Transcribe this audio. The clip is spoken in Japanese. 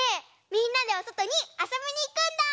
みんなでおそとにあそびにいくんだ！